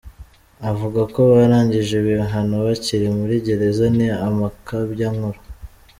Abavuga ko barangije ibihano bakiri muri gereza ni amakabyankuru